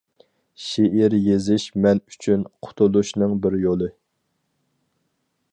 شېئىر يېزىش مەن ئۈچۈن قۇتۇلۇشنىڭ بىر يولى.